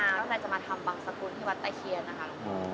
แล้วนายจะมาทำบางสกุลที่วัดไตเฮียน